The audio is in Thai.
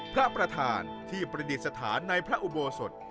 พระประธานที่ประดิษฐานในพระอุโบสถ